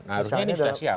nah ini sudah siap